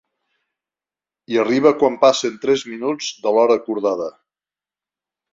Hi arriba quan passen tres minuts de l'hora acordada.